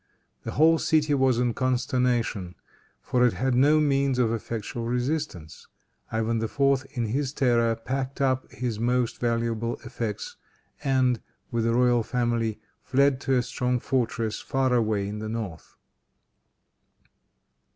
The whole city was in consternation, for it had no means of effectual resistance. Ivan IV. in his terror packed up his most valuable effects, and, with the royal family, fled to a strong fortress far away in the North.